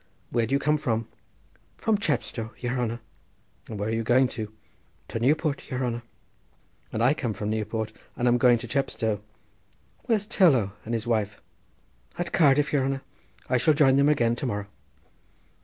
Where do you come from?" "From Chepstow, yere hanner." "And where are you going to?" "To Newport, yere hanner." "And I come from Newport, and am going to Chepstow. Where's Tourlough and his wife?" "At Cardiff, yere hanner; I shall join them again to morrow."